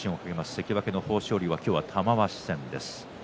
関脇の豊昇龍は今日は玉鷲戦です。